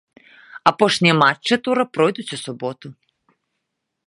Апошнія матчы тура пройдуць у суботу.